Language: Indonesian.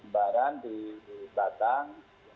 baran di batang